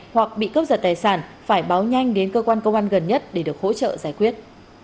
hoặc bị cướp giật tài sản phải báo nhanh đến cơ quan công an gần nhất để được hỗ trợ giải quyết